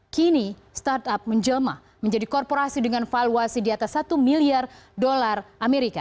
kini startup menjelma menjadi korporasi dengan valuasi di atas satu miliar dolar amerika